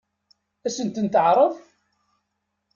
Ad sent-ten-teɛṛeḍ?